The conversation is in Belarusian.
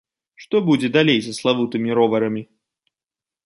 Што будзе далей са славутымі роварамі?